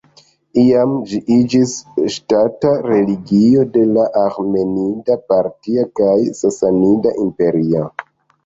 Iam ĝi iĝis ŝtata religio de la Aĥemenida, Partia kaj Sasanida Imperio.